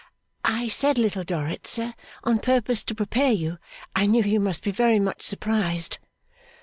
'I said Little Dorrit, sir, on purpose to prepare you. I knew you must be very much surprised.